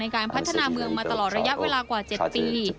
การพัฒนาเมืองมาตลอดระยะเวลากว่า๗ปี